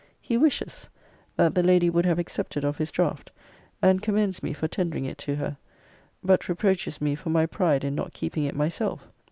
He wishes, 'that the Lady would have accepted of his draught; and commends me for tendering it to her. But reproaches me for my pride in not keeping it myself.